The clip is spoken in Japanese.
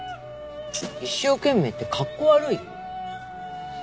一生懸命ってかっこ悪い？